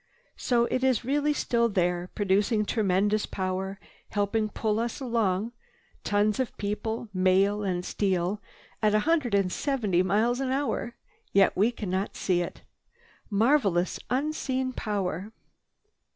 "So it is really still there, producing tremendous power, helping pull us along—tons of people, mail and steel—at a hundred and seventy miles an hour! And yet we cannot see it. Marvelous! Unseen power!